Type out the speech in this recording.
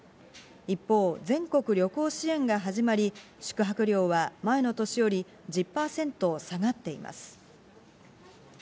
一方、全国旅行支援が始まり、宿泊料は前の年より１０％下がっています。